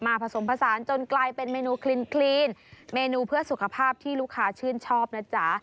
ผสมผสานจนกลายเป็นเมนูคลีนเมนูเพื่อสุขภาพที่ลูกค้าชื่นชอบนะจ๊ะ